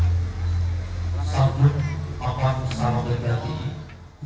apanya itu jalan rezeki jodoh atau apanya itu dilancarkan